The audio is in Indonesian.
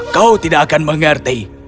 kau tidak akan mengerti